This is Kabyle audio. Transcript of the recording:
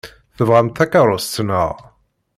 Tebɣamt takeṛṛust, naɣ?